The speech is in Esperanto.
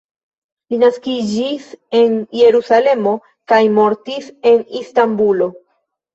Li naskiĝis en Jerusalemo kaj mortis en Istanbulo.